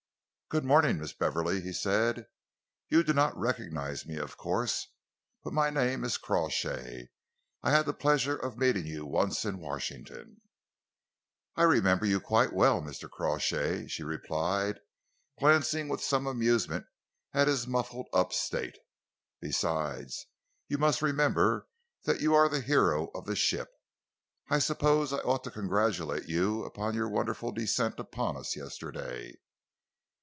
"Good morning, Miss Beverley," he said. "You do not recognise me, of course, but my name is Crawshay. I had the pleasure of meeting you once at Washington." "I remember you quite well, Mr. Crawshay," she replied, glancing with some amusement at his muffled up state. "Besides, you must remember that you are the hero of the ship. I suppose I ought to congratulate you upon your wonderful descent upon us yesterday."